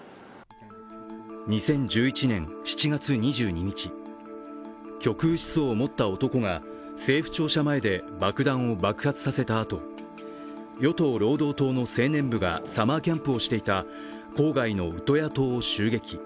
２０１１年７月２２日、極右思想を持った男が政府庁舎前で爆弾を爆発させたあと、与党・労働党の青年部がサマーキャンプをしていた郊外のウトヤ島を襲撃。